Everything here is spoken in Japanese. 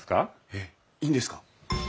えっいいんですか？